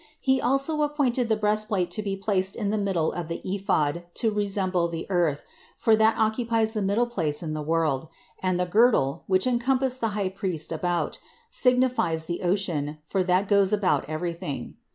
He also appointed the breastplate to be placed in the middle of the ephod to resemble the earth, for that occupies the middle place in the world; and the girdle, which encompassed the high priest about, signifies the ocean, for that goes about everything.